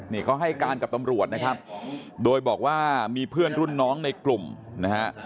นี่เขาให้การกับตำรวจนะครับโดยบอกว่ามีเพื่อนรุ่นน้องในกลุ่มนะฮะ